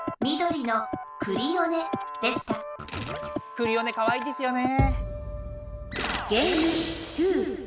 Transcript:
クリオネかわいいですよね。